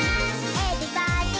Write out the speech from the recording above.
「エビバディ！」